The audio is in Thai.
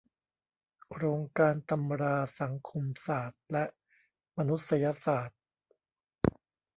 โครงการตำราสังคมศาสตร์และมนุษยศาสตร์